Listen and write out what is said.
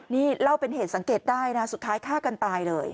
นี่เล่าเป็นเหตุสังเกตได้นะสุดท้ายฆ่ากันตายเลย